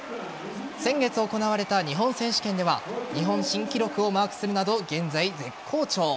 先月行われた日本選手権では日本新記録をマークするなど現在、絶好調。